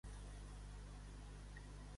A Llinars la trementina